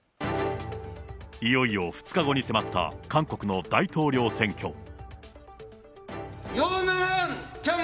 いよいよ２日後に迫った韓国の大統領選挙。